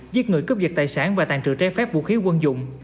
giết người cướp vật tài sản và tàn trự tre phép vũ khí quân dụng